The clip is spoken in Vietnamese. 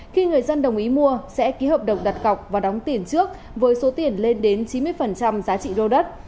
khi người dân đồng ý mua sẽ ký hợp đồng đặt cọc và đóng tiền trước với số tiền lên đến chín mươi giá trị lô đất